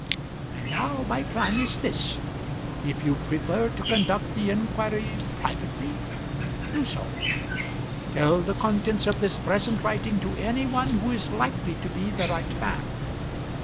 "And now my plan is this: If you prefer to conduct the inquiry privately, do so. Tell the contents of this present writing to any one who is likely to be the right man.